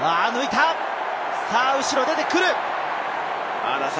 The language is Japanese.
後ろを出てくる。